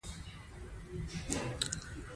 انګور د افغانستان د پوهنې نصاب کې شامل دي.